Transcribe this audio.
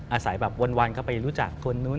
อาศัยวันก็ไปรู้จักคนนู้น